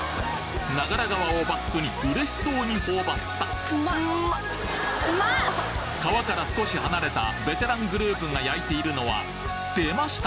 長良川をバックにうれしそうに頬張った川から少し離れたベテラングループが焼いているのは出ました！